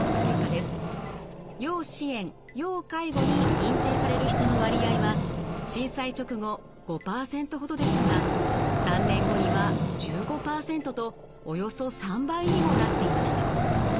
要支援・要介護に認定される人の割合は震災直後５％ほどでしたが３年後には１５％とおよそ３倍にもなっていました。